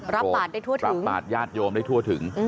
รับบาตได้ทั่วถึง